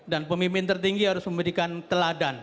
dan pemimpin tertinggi harus memberikan teladan